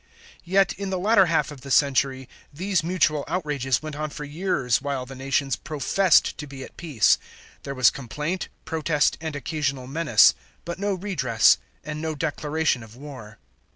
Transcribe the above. Yet in the latter half of the century these mutual outrages went on for years while the nations professed to be at peace. There was complaint, protest, and occasional menace, but no redress, and no declaration of war.